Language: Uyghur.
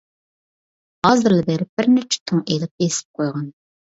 ھازىرلا بېرىپ بىر نەچچە تۇڭ ئېلىپ بېسىپ قويغىن.